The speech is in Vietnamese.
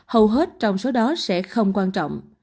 hầu hết trong số đó sẽ không quan trọng